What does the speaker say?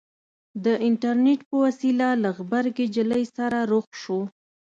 د اينټرنېټ په وسيله له غبرګې نجلۍ سره رخ شو.